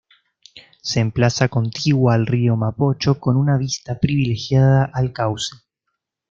Se emplaza contigua al Río Mapocho con una vista privilegiada al cauce.